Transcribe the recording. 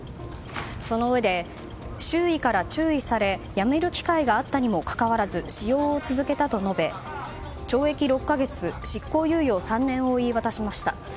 そのうえで、周囲から注意されやめる機会があったにもかかわらず、使用を続けたと述べ懲役６か月、執行猶予３年を言い渡しました。